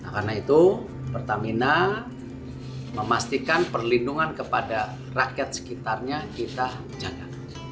karena itu pertamina memastikan perlindungan kepada rakyat sekitarnya kita jaga